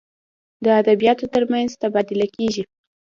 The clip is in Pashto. د ادبیاتو تر منځ تبادله کیږي.